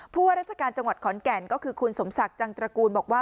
ว่าราชการจังหวัดขอนแก่นก็คือคุณสมศักดิ์จังตระกูลบอกว่า